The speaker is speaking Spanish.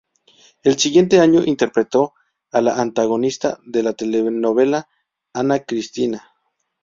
El siguiente año interpretó al antagonista de la telenovela "Ana Cristina".